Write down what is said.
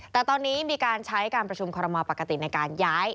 แต่ตอนนี้มีการใช้การประชุมคอรมอลปกติในการย้าย